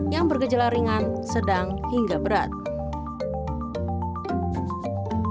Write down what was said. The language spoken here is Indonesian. yang bergejala ringan sedang hingga berat